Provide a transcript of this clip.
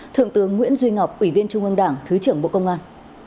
thượng tướng nguyễn duy ngọc ủy viên trung ương đảng thứ trưởng bộ công an